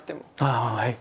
ああはい。